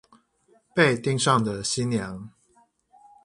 被盯上的新娘